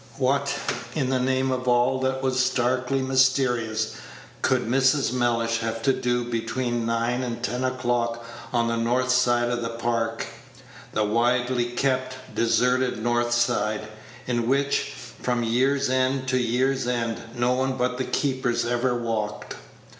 What, in the name of all that was darkly mysterious, could Mrs. Mellish have to do between nine and ten o'clock on the north side of the Park the wildly kept, deserted north side, in which, from year's end to year's end, no one but the keepers ever walked.